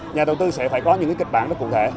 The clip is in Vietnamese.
nhà đầu tư sẽ phải có những kịch bản rất cụ thể